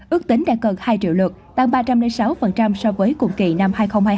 ước tính đạt gần hai triệu lượt tăng ba trăm linh sáu so với cùng kỳ năm hai nghìn hai mươi hai